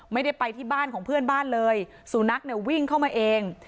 ไม่ได้ไปที่บ้านของเพื่อนบ้านเลยสูนักเนี่ยวิ่งเข้ามาเอง